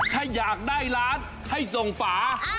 ถ้าอยากได้ร้านให้ส่งฝา